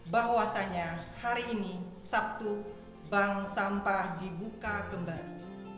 bahwasannya hari ini sabtu bank sampah dibuka kembali